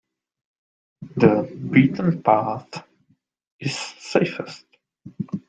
The beaten path is safest.